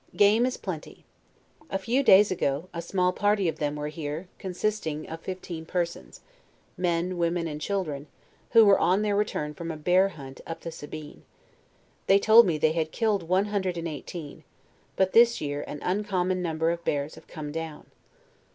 Game is plenty. A few days ago, a small party of them were hare, consisting of fifteen persons, men, women, and children, who were on their return from a bear hunt up the Sahine. They told nie they had killed one hundred and eighteen; but this year an uncommon number of bears have come down.